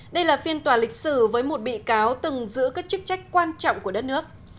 đây là phiên tòa lịch sử với một bị cáo từng giữ các chức trách quan trọng của đất nước